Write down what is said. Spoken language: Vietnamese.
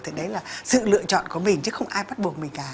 thì đấy là sự lựa chọn của mình chứ không ai bắt buộc mình cả